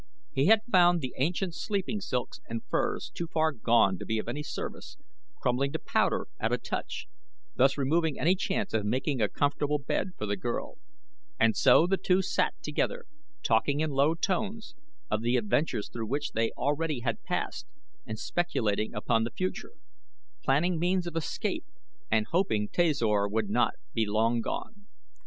He had found the ancient sleeping silks and furs too far gone to be of any service, crumbling to powder at a touch, thus removing any chance of making a comfortable bed for the girl, and so the two sat together, talking in low tones, of the adventures through which they already had passed and speculating upon the future; planning means of escape and hoping Tasor would not be long gone.